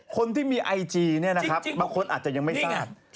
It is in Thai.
คนที่มีไอจีเนี่ยนะครับบางคนอาจจะยังไม่ทราบ